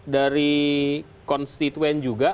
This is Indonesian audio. dari konstituen juga